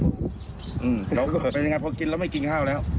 เป็นยังไงครับเพราะกินแล้วไม่กินข้าวแล้ว